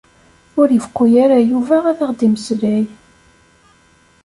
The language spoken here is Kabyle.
Ur ibeqqu ara Yuba ad ɣ-d-imeslay.